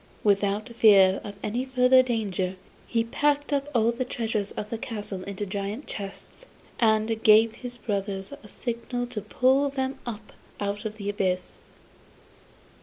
Without fear of any further danger, he packed up all the treasures of the castle into great chests, and gave his brothers a signal to pull them up out of the abyss.